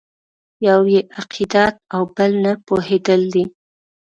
یو یې عقیدت او بل نه پوهېدل دي.